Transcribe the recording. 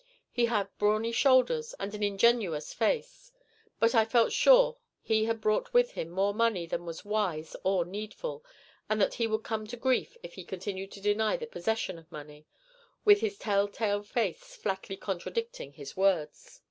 He had brawny shoulders and an ingenuous face, but I felt sure he had brought with him more money than was wise or needful, and that he would come to grief if he continued to deny the possession of money, with his tell tale face flatly contradicting his words.